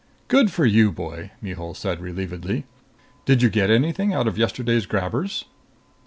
"Good for you, boy!" Mihul said relievedly. "Did you get anything out of yesterday's grabbers?"